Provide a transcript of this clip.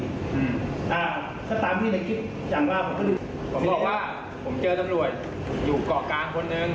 อืมอ่าถ้าตามที่ในคลิปอย่างว่าผมบอกว่าผมเจอตำรวจอยู่เกาะกลางคนหนึ่ง